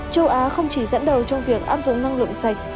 châu á không chỉ dẫn đầu trong việc áp dụng năng lượng sạch